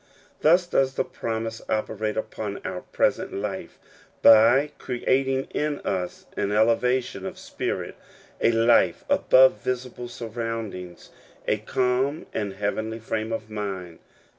Thus does the promise operate upon our present life by creating in us an elevation of spirit, a life above visible surroundings, a calm and heavenly frame of mind.